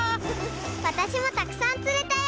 わたしもたくさんつれたよ！